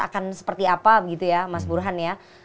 akan seperti apa begitu ya mas burhan ya